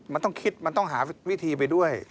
มันต้องคิดมันต้องหาวิธีไปด้วย